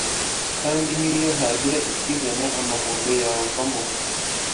kandi niyo hagira ikizana amahundo yavamo